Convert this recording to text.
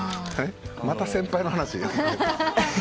また先輩の話？